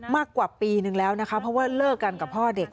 มากกว่าปีนึงแล้วนะคะเพราะว่าเลิกกันกับพ่อเด็ก